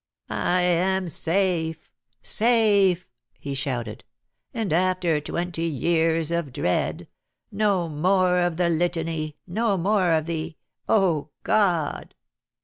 "I am safe safe!" he shouted; "and after twenty years of dread. No more of the Litany, no more of the O God!"